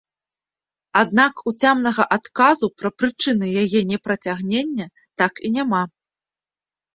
Аднак уцямнага адказу пра прычыны яе непрацягнення так і няма.